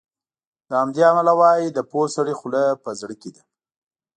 له همدې امله وایي د پوه سړي خوله په زړه کې ده.